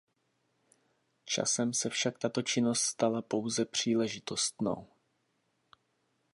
Časem se však tato činnost stala pouze příležitostnou.